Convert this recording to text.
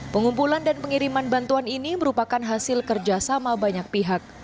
pengumpulan dan pengiriman bantuan ini merupakan hasil kerjasama banyak pihak